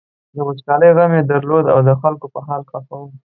د وچکالۍ غم یې درلود او د خلکو په حال خپه و.